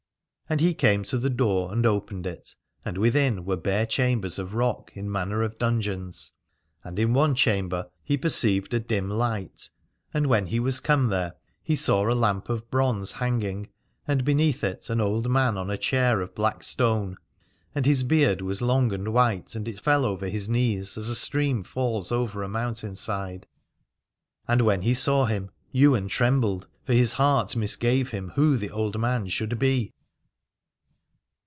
And he came to the door and opened it, and within were bare chambers of rock, in manner of dungeons. And in one chamber he 286 Aladore perceived a dim light, and when he was come there he saw a lamp of bronze hanging, and beneath it an old man on a chair of black stone ; and his beard was long and white, and it fell over his knees as a stream falls over a mountain side. And when he saw him Ywain trembled, for his heart misgave him who the old man should be.